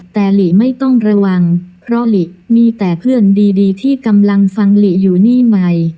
แต่หลีไม่ต้องระวังเพราะหลีมีแต่เพื่อนดีที่กำลังฟังหลีอยู่นี่ใหม่